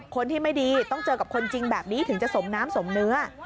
คนที่ไม่ดีต้องเจอกับคนจริงแบบนี้ถึงจะสมน้ำสมเนื้อ